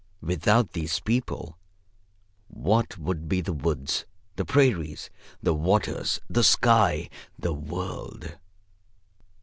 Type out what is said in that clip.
Without these people, what would be the woods, the prairies, the waters, the sky, the world?